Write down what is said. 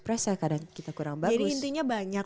presa kadang kita kurang bagus jadi intinya banyak